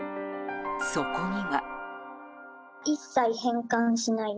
そこには。